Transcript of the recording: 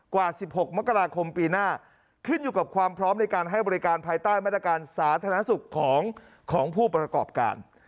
กว่า๑๖มกราคมปีหน้าขึ้นอยู่กับความพร้อมในการให้บริการภายใต้มาตรการสาธารณสุขของผู้ประกอบการ